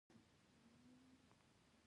د میرویس نیکه مقبره په کندهار کې ده